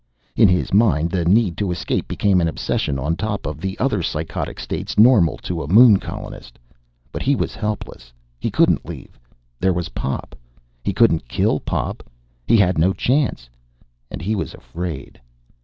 In his mind the need to escape became an obsession on top of the other psychotic states normal to a Moon colonist. But he was helpless. He couldn't leave. There was Pop. He couldn't kill Pop. He had no chance and he was afraid.